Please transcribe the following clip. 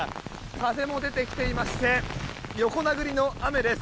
風も出てきていまして横殴りの雨です。